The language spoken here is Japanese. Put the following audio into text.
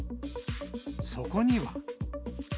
そこには。